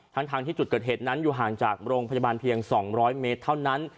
ทั้งที่จุดเกิดเหตุนั้นอยู่ห่างจากโรงพยาบาลเพียง๒๐๐เมตรเท่านั้น